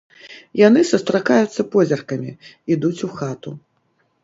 Яны сустракаюцца позіркамі, ідуць у хату.